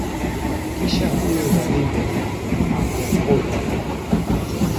kisha huyo dhalimu akokotwe